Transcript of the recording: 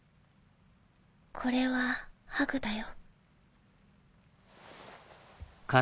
これはハグだよ。